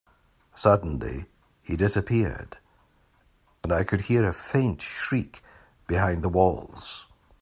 Suddenly, he disappeared, and I could hear a faint shriek behind the walls.